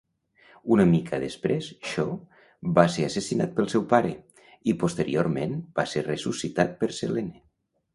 Una mica després, Shaw va ser assassinat pel seu pare, i posteriorment va ser ressuscitat per Selene.